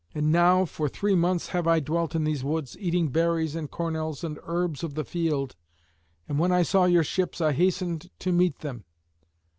And now for three months have I dwelt in these woods, eating berries and cornels and herbs of the field. And when I saw your ships I hastened to meet them.